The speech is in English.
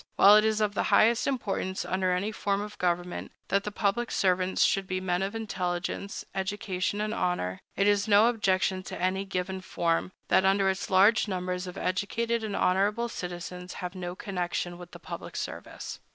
While it is of the highest importance, under any form of government, that the public servants should be men of intelligence, education, and honor, it is no objection to any given form, that under it large numbers of educated and honorable citizens have no connection with the public service.